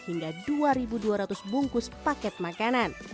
hingga dua dua ratus bungkus paket makanan